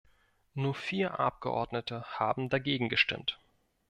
Nur vier Abgeordnete haben dagegen gestimmt.